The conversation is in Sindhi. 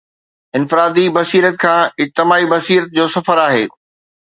انفرادي بصيرت کان اجتماعي بصيرت جو سفر آهي.